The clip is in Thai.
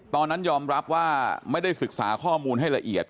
ตอนนั้นยอมรับว่าไม่ได้ศึกษาข้อมูลให้ละเอียด